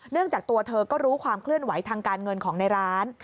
จากตัวเธอก็รู้ความเคลื่อนไหวทางการเงินของในร้าน